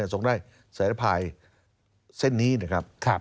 ส่งได้สายพายเส้นนี้นะครับ